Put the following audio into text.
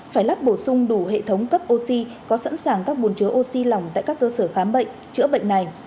phải lắp bổ sung đủ hệ thống cấp oxy có sẵn sàng các bồn chứa oxy lỏng tại các cơ sở khám bệnh chữa bệnh này